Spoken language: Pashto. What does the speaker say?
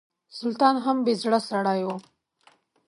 سلطان هم بې زړه سړی و.